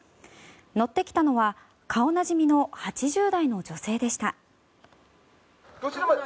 乗ってきたのは顔なじみの８０代の女性でした。